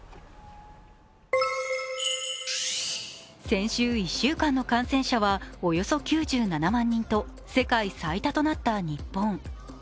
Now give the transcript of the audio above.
先週１週間の感染者はおよそ９７万人と世界最多となった日本。